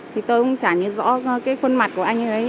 thì tôi cũng chả nhìn rõ cái khuôn mặt của anh ấy